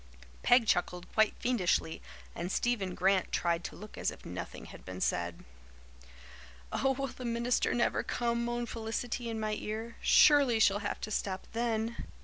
Peg chuckled quite fiendishly and Stephen Grant tried to look as if nothing had been said. "Oh, will the minister never come?" moaned Felicity in my ear. "Surely she'll have to stop then."